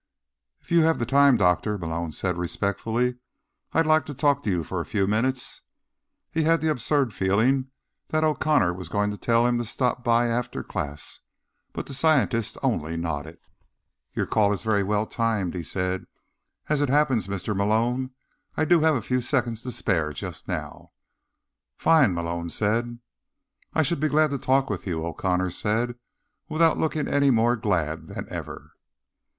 "If you have the time, Doctor," Malone said respectfully, "I'd like to talk to you for a few minutes." He had the absurd feeling that O'Connor was going to tell him to stop by after class, but the scientist only nodded. "Your call is timed very well," he said. "As it happens, Mr. Malone, I do have a few seconds to spare just now." "Fine," Malone said. "I should be glad to talk with you," O'Connor said, without looking any more glad than ever.